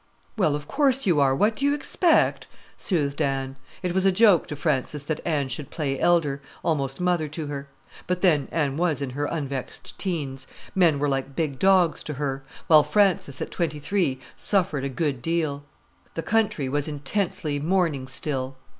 "Well, of course you are, what do you expect?" soothed Anne. It was a joke to Frances that Anne should play elder, almost mother to her. But then, Anne was in her unvexed teens; men were like big dogs to her: while Frances, at twenty three, suffered a good deal. The country was intensely morning still.